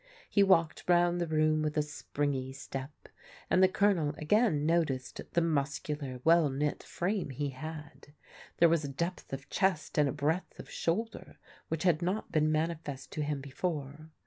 He walked round the room with a springy step, and the Colonel again noticed the muscular, well knit frame he had. There was a depth of chest and a breadth of shoulder which had not been manifest to him before.